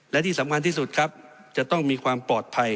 และที่สำคัญที่สุดครับจะต้องมีความปลอดภัย